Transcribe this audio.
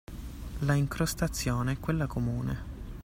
La incrostazione è quella comune.